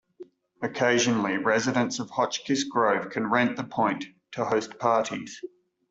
Occasionally residents of Hotchkiss Grove can rent the Point to host parties.